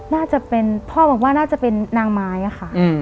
น่าจะเป็นพ่อบอกว่าน่าจะเป็นนางไม้ค่ะ